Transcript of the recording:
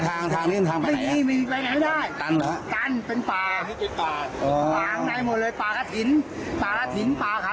ทางทางนี้มันทางไปไหนไม่มีไปไหนไม่ได้ตันค่ะ